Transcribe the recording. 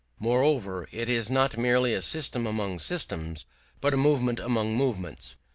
Moreover, it is not merely a system among systems, but a movement among movements.